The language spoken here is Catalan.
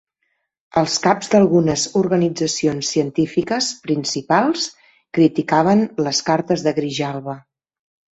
Els caps d'algunes organitzacions científiques principals criticaven les cartes de Grijalva.